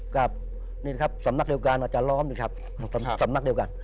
กับสำนักเดียวการอาจารย์ล้อมนะครับ